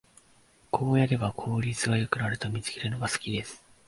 こうやれば効率が良くなると見つけるのが好きです